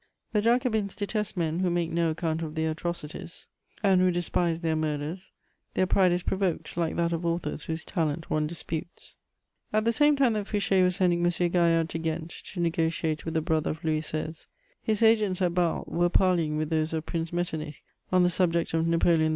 The Jacobins detest men who make no account of their atrocities and who despise their murders; their pride is provoked, like that of authors whose talent one disputes. * [Sidenote: His underhand negotiations.] At the same time that Fouché was sending M. Gaillard to Ghent to negociate with the brother of Louis XVI., his agents at Bâle were parleying with those of Prince Metternich on the subject of Napoleon II.